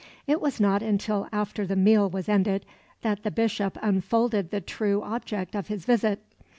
It was not until after the meal was ended that the Bishop unfolded the true object of his visit.